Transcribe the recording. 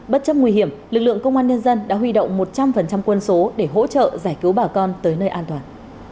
bất chấp nguy hiểm lực lượng công an nhân dân đã huy động một trăm linh quân số để hỗ trợ giải cứu bà con tới nơi an toàn